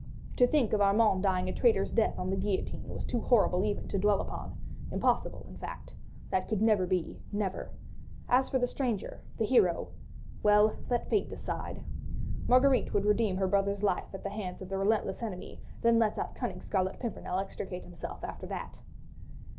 To think of Armand dying a traitor's death on the guillotine was too horrible even to dwell upon—impossible, in fact. That could never be, never. ... As for the stranger, the hero ... well! there, let Fate decide. Marguerite would redeem her brother's life at the hands of the relentless enemy, then let that cunning Scarlet Pimpernel extricate himself after that.